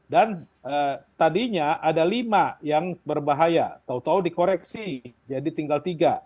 dan tadinya ada lima yang berbahaya tau tau dikoreksi jadi tinggal tiga